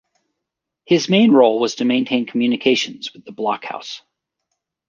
His main role was to maintain communications with the blockhouse.